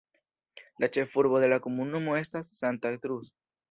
La ĉefurbo de la komunumo estas Santa Cruz.